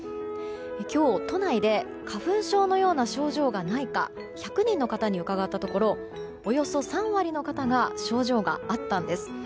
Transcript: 今日、都内で花粉症のような症状がないか１００人の方に伺ったところおよそ３割の方が症状があったんです。